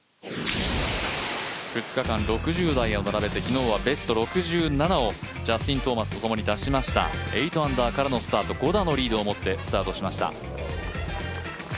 ２日間、６０台を並べて昨日はベスト６７をジャスティン・トーマスとともに出しました８アンダーからのスタート５打のリードを持ってスタートしました。